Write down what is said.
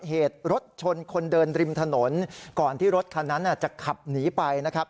เหตุรถชนคนเดินริมถนนก่อนที่รถคันนั้นจะขับหนีไปนะครับ